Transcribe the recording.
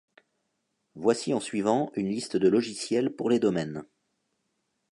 Voici en suivant une liste de logiciels pour les domaines.